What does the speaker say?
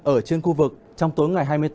ở trên khu vực trong tối ngày hai mươi bốn